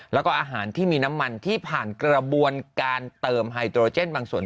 แล้วก็อาหารที่มีน้ำมันที่ผ่านกระบวนการเติมไฮโตรเจนบางส่วน